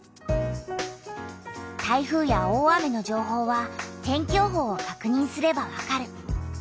台風や大雨の情報は天気予報をかくにんすればわかる。